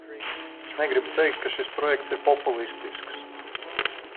Es negribu teikt, ka šis projekts ir populistisks.